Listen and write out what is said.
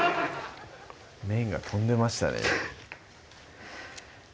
麺が飛んでましたね